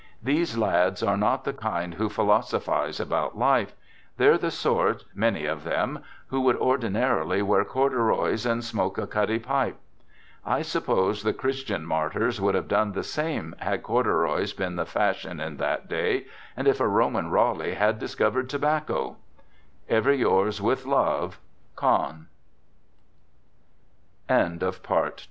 These lads are not the kind who philosophize about life; they're the sort, many of them, who would ordinarily wear corduroys and smoke a cutty pipe. I suppose the Christian martyrs would have done the same had corduroys been the 4 o "THE GOOD SOLDIER" fashion in that day, and if a Roman Raleigh had discovered tob